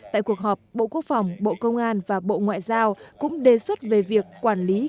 tại cuộc họp bộ quốc phòng bộ công an và bộ ngoại giao cũng đề xuất về việc quản lý